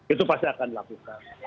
itu pasti akan dilakukan